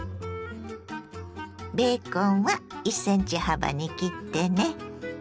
ベーコンは１ｃｍ幅に切ってね。